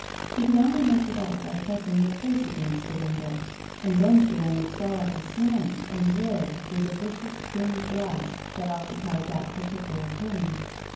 She could only make it out by pressing her face against the window, and then she only saw it aslant, and red, through tHe vicious stained glass that occupied that particular pane.